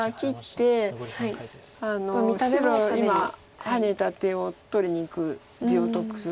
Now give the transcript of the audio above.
白今ハネた手を取りにいく地を得しにいくか。